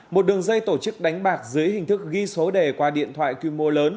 một đường dây tổ chức đánh bạc dưới hình thức ghi số đề qua điện thoại quy mô lớn